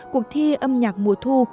cuộc thi âm nhạc mùa thu